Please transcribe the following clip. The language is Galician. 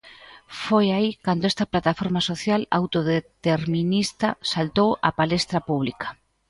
Foi aí cando esta plataforma social autodeterminista saltou á palestra pública.